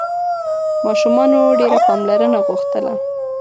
ماشومانو ډېره پاملرنه غوښتله.